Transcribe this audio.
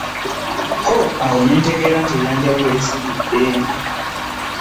Ho... awo ne ntegeera nti eyanjalula esiridde.